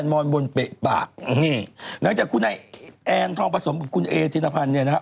นอนบนเปะปากนี่หลังจากคุณไอ้แอนทองผสมกับคุณเอธินพันธ์เนี่ยนะฮะ